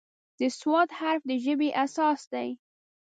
د "ص" حرف د ژبې اساس دی.